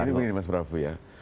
ini begini mas pravu ya